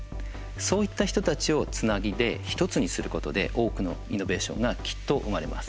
そういった人たちをつなぎ１つにすることで多くのイノベーションがきっと生まれます。